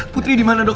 putri dimana dok